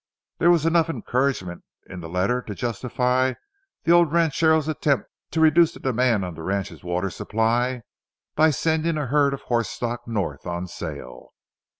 There was enough encouragement in the letters to justify the old ranchero's attempt to reduce the demand on the ranch's water supply, by sending a herd of horse stock north on sale.